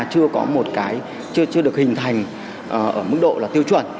chưa có một cái chưa được hình thành ở mức độ là tiêu chuẩn